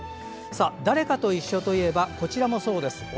誰かと一緒といえばこちらもそうです。